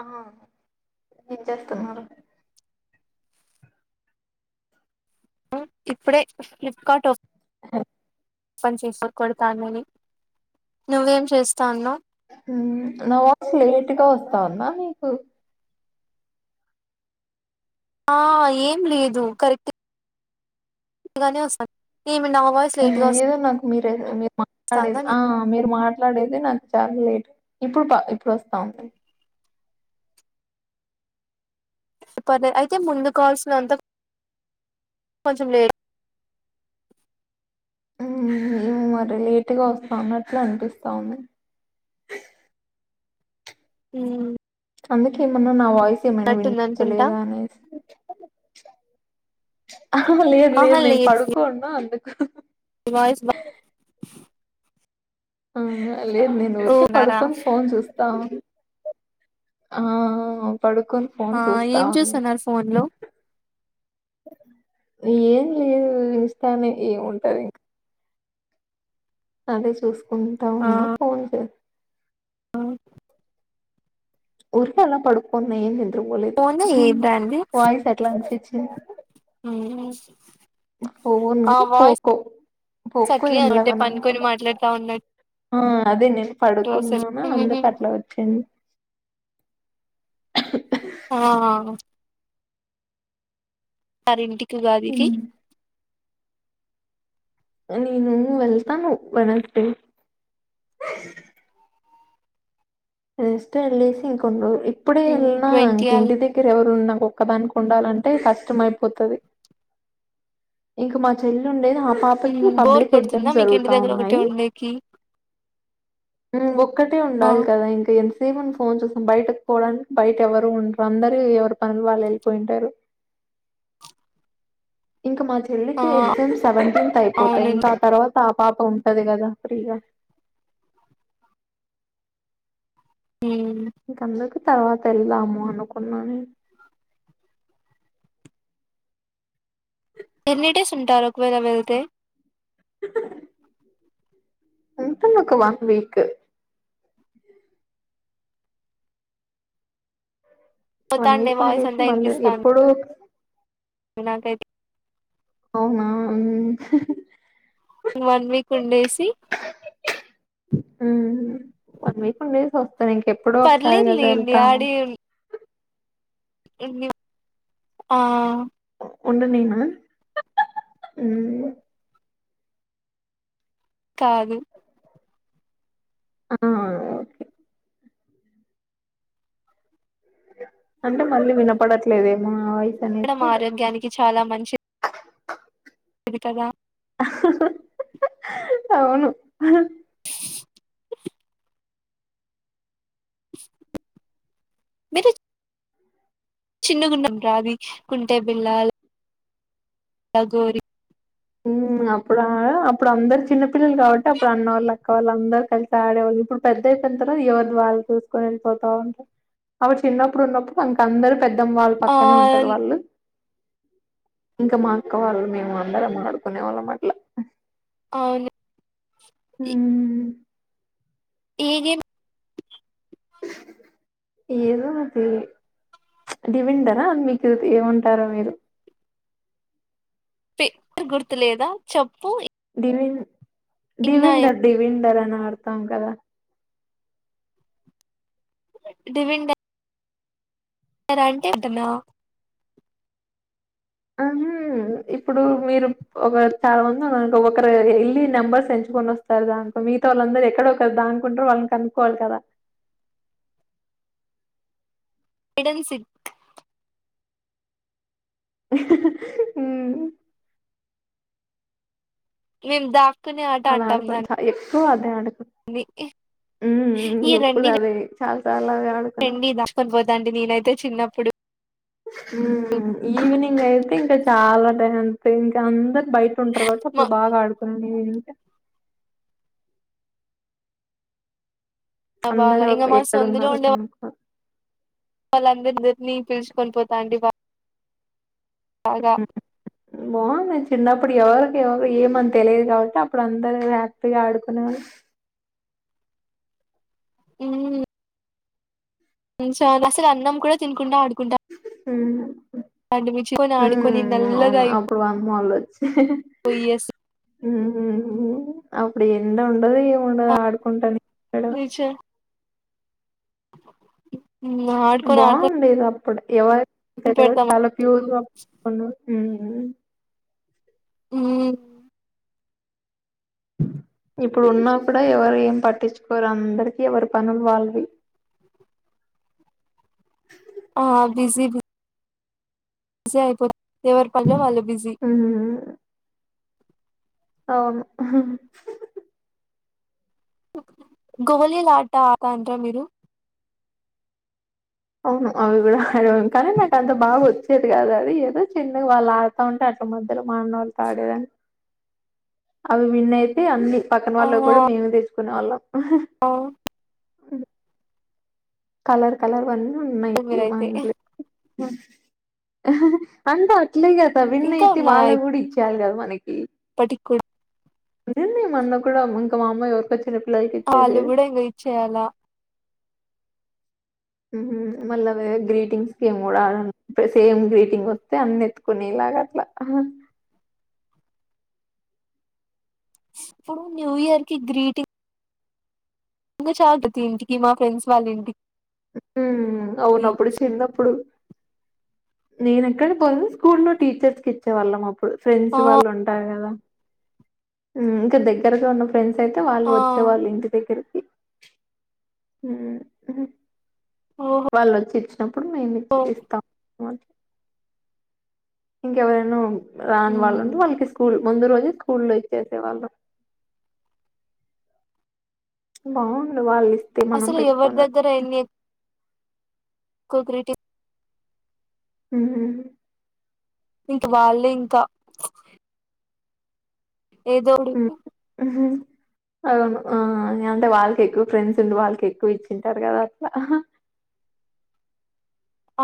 ఆ ఏం చేస్తున్నారు ఇప్పుడే ఫ్లిప్కార్ట్ ఒక పని చేసి కొడతామని నువ్వేం చేస్తాన్నవ్ ఊ నా వాయిస్ లేట్గా వస్తా వుందా నీకు ఆ ఏం లేదు కరెక్ట్ గానే వస్త ఏదో నాకు మీరు మీరు వస్తాందా మాట్లాడేది ఆ మీరు మాట్ మాట్లాడేది నాకు చాలా లేట్ ఇప్పుడు ఇప్పుడు వస్తా ఉంది ప్పతే ముందు కావాల్సిన అంత కొంచెం లేట్ మేము మరి లేట్గా వస్తాన్నట్లు అనిపిస్తా ఉంది ఉ అందకేమన్నా నా మైనా అనుకుంటా వినింపించలేదా అనేసి అ లేదు లేదు పడుకోన్న అందు నీ వాయిస్ ఆ లేదు నేను ఓ ఊరికే ఉన్నారా పడుకొని ఫోన్ చూస్తాను ఆ పడుకొని ఫోన్ ఆ చూస్తా ఏం ఉన్నా చూస్తున్నారు ఫోన్ లో ఏం లేదు ఇస్తా అనే ఉంటది ఇంకా అదే చూ ఉంటా ఉన్నా పోంట ఆ ఊరికే అలా పడుకోన్న ఏన్ పోలేదు ఫోన్ ఏ వాయిస్ అట్లా అ ఇ అ పోవును పోకో పోకో అట్లే ఉంటే ఎలవని పనుకొని అనుకుంట మాట్లాడుతా ఉన్నట్టు ఆ అదే నేను అసలు పడుకున్నాను అందుకు అట్లా వచ్చింది [unintelligible] ఆ రింటి ఉగాదికి నేను వెళ్తాను వెన జస్ట్ ఎల్లేసి ఇప్పుడే యెళ్ళిన ట్వంటీ ఇంక అలా ఇంటి దగ్గర ఎవరున్నాం ఒక్కదానికి ఉండాలంటే కష్టం అయిపోతది ఇంక మా చెల్ లేదు ఆ మ్మ్ పాపకి బోర్ పబ్లిక్ కొడుతుందా ఎగ్జామ్స్ మీకు ఇంటి జరుగుతా దగ్గర ఒకటే ఉన్నాయి ఉండేకి [unintelligible] ఒక్కటే ఆ ఉండాలి కదా ఇంకా ఎంతసేపు ఫోన్ చూసాం బయటకు పోవడానికి బయట ఎవరు ఉండరు అందరు ఎవరి పనులు వాళ్ళు వెళ్ళిపోయింటారు ఇంకా మా ఆ చెల్లికి ఎగ్జామ్స్ సెవెంటీన్త్ అయిపోతాయి అవును ఇంకా ఆ తర్వాత పా పాప ఉంటాది కదా ఫీగా మ్మ్ ఇంక అందరకు తర్వాత వెళ్దాము అనుకున్నాను ఎన్ని డేస్ ఉంటారు ఒకవేళ వెళ్తే ఇంక మాకు వన్ వీక్ వన్ పోతాండే వీక్ వాయిస్ ఉండేసి మళ్ళీ ఎప్పుడు వి నాకయితే అవునా వన్ వీక్ ఉండేసి ఉహు వన్ వీక్ ఉండేసి వస్త్ అ ఇంకెప్పుడో ఒకసారి కదా పర్లేదులేండి వెళ్తాము ఇ ఆ ఉండనిన హూ కాదు ఆ అంటే మళ్ళీ వినపడట్లేదేమో ఇప్పడం అనేసి ఆరోగ్యానికి చాలా మంచి ఇవికదా అవును మట చిన్నగున్నాం రాది గుంటే బిళ్ళల్ అగోరి ఊ అప్పుడ అప్పుడు అందరు చిన్న పిల్లలు కాబట్టి అప్పుడు అన్న వాళ్ళు అక్క వాళ్ళ అందరు కలిసి ఆడేవాళ్ళు ఇప్పుడు పెద్ద అయిపోయర్ కదా ఎవర్ది వాళ్ళు చూసుకొని వెళ్ళిపోతా ఉంటారు అప్పుడు చిన్నప్పుడు ఉన్నప్పుడు అంక అందరు పెద్దం వాళ్ళు ఆ పక్కనే ఉంటరు వాళ్ళు ఇంక మా అక్క వాళ్ మే అందరము కొనేవాళ్ళం అట్ల అవును హూ [unintelligible] ఏదో అది దీవిందర్ ఆ మీకు ఏముంటారో మీరు పేరు గుర్తులేదా చెప్పు దిలీమ్ ఇన్నా దీవిందర్ దివిందర్ [unintelligible] త్తాం కదా డివిండ్ డే [unintelligible] అంటే వద్దాన్నావ్ ఆహ ఇప్పుడు మీరు ఒక చాలా మంది ఉన్నారనుకో ఒకరు వెళ్ళి నెంబర్స్ ఎంచుకొని వస్తారు దంతో మిగత వాళ్ళందరు ఎక్కడ ఒకరు [unintelligible] వాళ్ళని కనుక్కకోవాలి కదా హైడ్ అండ్ సిక్ హూ నిమ్ దా అది ఆడుకున్నా చ ఎక్కువ అదే ఆడుకు ఈ [inaudible] ఎప్పుడు రండి అదే చాలా సార్లు అదే ఆడుకున్నాం రండి దాచుకొని పోతాంటి నేనైతే చిన్నప్పుడు ఈవినింగ్ అయితే ఇంకా చాలా టైం ఇంకా అందరు బయట ఉంటారు కాబట్టి మా అప్పుడు బాగా ఆడుకున్నాను బాగా అందరు ఇంగ ఒక మా ఎక్కడ ఉన్నారో కనుకో వాళ్ళందరిద్దరినీ పిలుచుకొని పోతాంటి బాబ బాగుంది చిన్నప్ అప్పుడు ఎవరికి ఎవరు ఏమని తెలియదు కాబట్టి అప్పుడు అందరుూ హ్యాపీగా ఆడుకునేవారు మ్మ్ అసలు అన్నం కూడా తినుకుంటా ఆడుకుంటా మ్మ్ అంటిమి చికొని ఆడుకొని మ్మ్ నల్లగా అవును అప్పుడు అయిపోయి వామ్ వాళ్ళు వచ్చి అస హ్మ్ మ్మ్ మ్మ్ అవును ప్పుడు ఎండ ఉండదు ఎం ఉండదు ఆడుకుంటానే [unintelligible] [inaudible] మ్మ్ ఆడుకొని ఆడుకొని ప్పుడే ఎవరి ఇ పెడతాం చాలా ప్యూర్గా [unintelligible] మ్మ్ మ్మ్ మ్మ్ ఇప్పుడు ఉన్నా కూడా ఎవరు ఏం పట్టిచ్చుకోరు అందరికీ ఎవరి పనులు వాళ్ళవి ఆ బిజి బి జి అయిపో ఎవరి పని వాళ్ళు బిజి హ్మ్. అవును గోలీలాట అతండ్ర మీరు అవును అవి కూడా ఆడము కానీ నాకు అంత బాగా వచ్చేది కాదు అది ఏదో చిన్నగా వాళ్ళు ఆడుతా ఉంటే అట్లా మధ్యలో మా అన్నోళ్లతో ఆడేదాన్ని అవి విన్ అయితే అన్ని పక్కన ఆ వాళ్ళవి కూడా నేను తీస్ కునేల్లాం ఆ అవును కలర్ కలర్ వన్ [unintelligible] ఉన్నాయ్ ఈ మా మీరైతే ఇంట్లో మ్మ్ అంత ఇట్లే కదా విన్ అయితే వాళ్ళవి కూడా ఇచ్చెయ్యాలి కదా మరి మీకీ పటికి కూడ నిర్ణయం అన్నా కూడా ఇంక మా అమ్మ ఎవరికో చె వాళ్ళు గూడా ఇంగ ఇచ్చేయ్యాలా ఊహు మళ్ళ వేరె గ్రీటింగ్స్ కి ఏమి కూడాల సేమ్ గ్రీటింగ్ వత్తే అన్ని ఎత్తుకునేలాగ అట్లా అప్పుడు న్యూ ఇయర్ కి గ్రీటింగ్ ఇంగా చాల ప్రతి ఇంటికి మా ఫ్రెండ్స్ వాళ్ళ ఇంటికి అవును అప్పుడు చిన్నప్పుడు నేను ఎక్కడ బోను స్కూల్ లో టీచర్స్ కి ఇచ్చేవాళ్ళం అప్ అప్పుడు ఫ్రెండ్స్ ఆ వాళ్ళు ఉంటారు గదా ఉమ్ ఇంకా దగ్గరగా ఉన్నప్పు ఫ్రెండ్స్ అయితే వాళ్ళు ఆ వచ్చే వాళ్ళు ఇంటి దగ్గరకి ఉ ఉహు ఓహో వాళ్ళు వొచ్చి ఇచ్చినప్పుడు మేము ఇస్తాము ఇంక ఎవరినో రాని వాళ్ళు ఉంటరు వాళ్ళకి స్కూల్ ముందు రోజే స్కూల్ లో ఇచ్చేసేవాళ్ళం బాండు వాళ్లిస్ అసలు ఎవర్దగ్గర ఎన్ని ఒక్కో గ్రీటి ఉహు ఇంక వాళ్ళే ఇంకా ఏదో ఉడు అవును ఆ అంటే వాళ్ళకి ఎక్కువ ఫ్రెండ్స్ ఉండి వాళ్ళకి ఎక్కువ ఇచ్చింటారు గదా అట్లా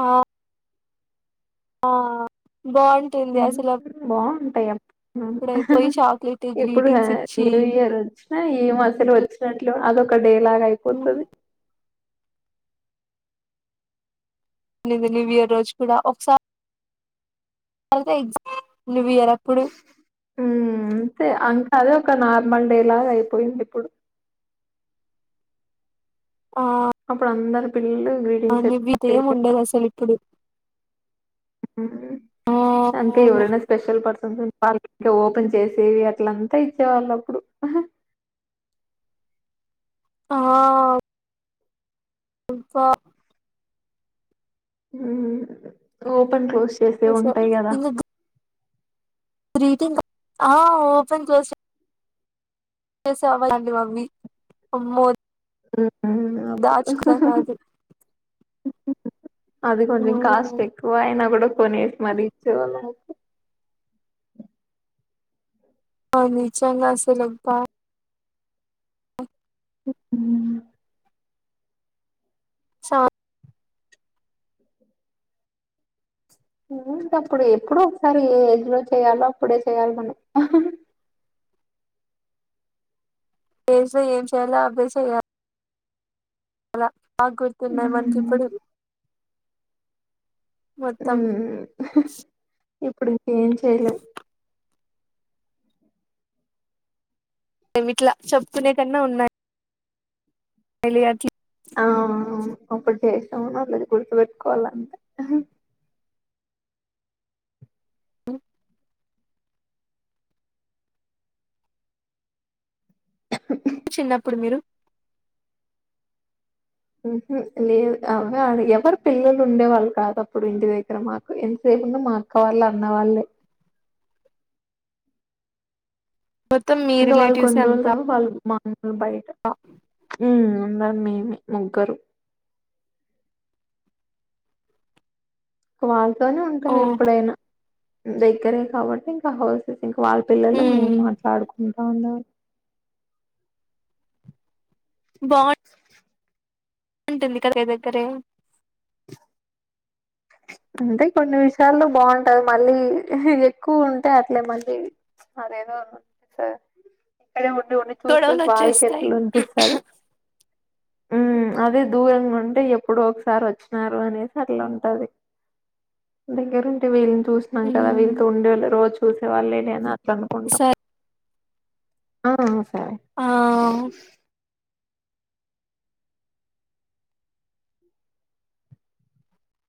ఆ ఆ బాంటుంది అసలు టయ్ అప్ అప్పుడైతే పోయి చాక్లెట్ ఇప్పుడు గ్రీటింగ్స్ ఇచ్చి న్యూ ఇయర్ వచ్చినా ఏ మసలు వచ్చినట్లె అదొ ఒక్క డే లాగ అయిపోతది వున్నింది న్యూ ఇయర్ రోజు కూడా ఒకసా రి అయితే ఎగ్ న్యుయర్ అప్పుడు ఉ అంతే అన్ కాదు అదే ఒక నార్మల్ డే లాగా అయిపోయింది ఇప్పుడు ఆ అప్పుడు అందరు పి [unintelligible] ఏం ఉండదు అసలు ఇప్పుడు ఆ అంతే అవును ఎవరైనా స్పెషల్ పర్ వాళ్ళ కి ఇంకా ఓపెన్ చేసేవి అట్లంతా ఇచ్చేవాళ్ళు అప్పుడు ఆ ఇంఫా ఓపన్ పోస్ చేస్తే ఉంటాయి కదా ట్రీటింకా ఆ ఓపెన్ చేసే చేసేఅవైట్ వవ్వి అమ్మో హు దాచుక కాదు అది కొంచం కాస్ట్ ఎక్కువ అయినా కూడా కొనేసి మరి ఇచ్చే వాళ్ళు మాకు నిజం గా అసలు అబ్బా [inaudible] చా ఇంకప్పుడు ఎప్పుడో ఒకసారి ఏ ఏజ్ లో చేయాలో అప్పుడే చేయాలి మనం ఏజ్లో ఏం చేయలో అవ్వే చెయ్య ల బా గుర్తున్నాయి మనకి ఉమ్, ఇప్పుడు మొత్తం ఇప్పుడిక ఏం చెయలేం మేమిట్లా చెప్కునే కన్నా ఉన్నాయి పెళ్లి కాక్ కి ఆ అవును ఒక చేసా ఉన్నారు లే గుర్తు పెెట్టుకోవాలంతే మ్ [inaudible] చిన్నప్పుడు మీరు ఉహ లేదు అవ్వ ఎవరు పిల్లలు ఉండే వాళ్ళు కాదు అప్పుడు ఇంటి దగ్గర మాకు ఎంతసేపు ఉన్నా మా అక్క వాళ్ళు అన్న వాళ్ళే మొత్తం మీ ఇంకా వాళ్లు రిలేటివ్స్ కొన్ని రోల్ అంతా తర్వాత వాళ్ళు మా బయట ఉ అందరం మేమి ముగ్గరు క్వాల్ తోనే ఉంటాం ఓహో ఎప్పుడైనా దగ్గరే కాబట్టి ఇంకా హౌస్స్ ఇంకా వాళ్ళ పిల్లలు మేము మాట్లాడుకు అవునా బాగు ఉంటుంది కదా ఒకే దగ్గరే అంటే కొన్ని విమిషయాల్లో బాగుంటది మళ్ళీ ఎక్కువ ఉంటే అట్లే మళ్ళీ అదేదో త్ ఇక్కడే తుని చూసి గొడవలు చూసి వాళ్ళకి వచ్చేస్తాయి ఎట్లా అనిపిస్తది హు అదే దూరంగా ఉంటే ఎప్పుడో ఒకసారి వచ్చినారు అనేసి అట్లా ఉంటది దగ్గర ఉంటే వీళ్ చూసినం కదా వీళ్ళతో ఉండేళ్ళ రోజు చూసే వాళ్లేలేనా కనుకుంట సరే ఆ తా ఆ